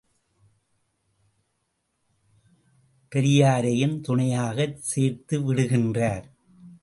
பெரியாரையும் துணையாகச் சேர்த்து விடுகின்றார்!